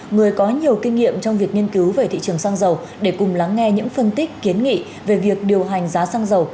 người có nhiều kinh nghiệm trong việc nghiên cứu về thị trường xăng dầu để cùng lắng nghe những phân tích kiến nghị về việc điều hành giá xăng dầu